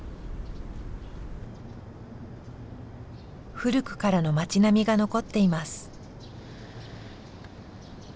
古くからの町並みが残っています。